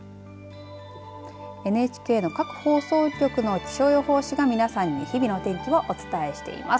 ＮＨＫの各放送局の気象予報士が皆さんに日々の天気をお伝えしています。